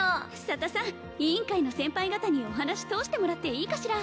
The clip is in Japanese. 佐田さん委員会の先輩方にお話通してもらっていいかしら？